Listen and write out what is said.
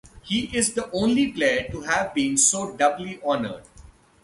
He is the only player to have been so doubly honoured.